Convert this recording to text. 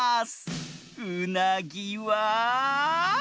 うなぎは。